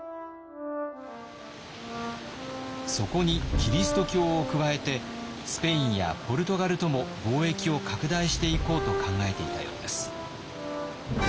そこにキリスト教を加えてスペインやポルトガルとも貿易を拡大していこうと考えていたようです。